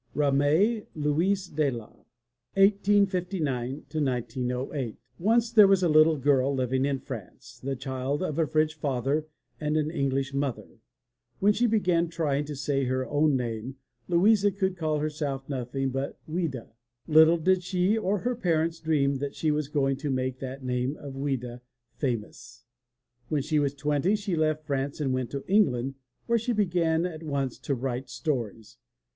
135 MY BOOK HOUSE RAMEE, LOUISE DE LA (1859 1908) Once there was a little girl living in France, the child of a French father and an English mother. When she began trying to say her own name, Louisa, she could call herself nothing but Ouida/' Little did she or her parents dream then that she was going to make that name of Ouida famous. When she was twenty she left France and went to England where she began at once to write stories.